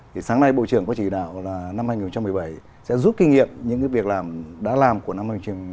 thì sáng nay bộ trưởng có chỉ đạo là năm hai nghìn một mươi bảy sẽ giúp kinh nghiệm những việc làm đã làm của năm hai nghìn một mươi chín